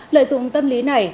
lợi dụng tâm lý này